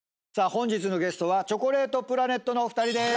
本日のゲストはチョコレートプラネットのお二人でーす。